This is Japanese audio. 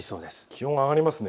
気温が上がりますね。